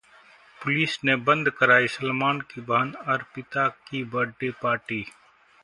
police ने बंद कराई सलमान की बहन अर्पिता की बर्थडे पार्टी